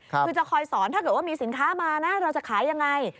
คือจะคอยสอนถ้าเกิดว่ามีสินค้ามานะเราจะขายยังไง